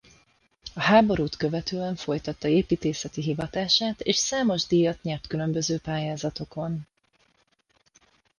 A háborút követően folytatta építészeti hivatását és számos díjat nyert különböző pályázatokon.